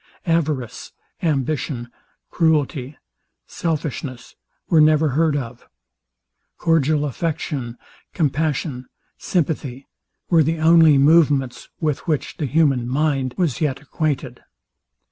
Avarice, ambition, cruelty, selfishness, were never heard of: Cordial affection, compassion, sympathy, were the only movements, with which the human mind was yet acquainted.